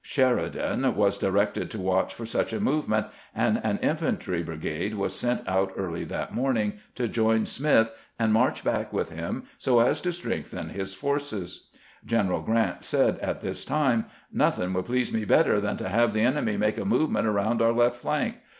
Sheridan was directed to watch for such a movement, and an infantry brigade was sent out early that morning to join Smith, and march back with him so as to strengthen EEGION or THE TOTOPOTOMOY 161 his forces. Greneral Grant said at this time :" Nothing would please me better than to have the enemy make a movement around our left flank.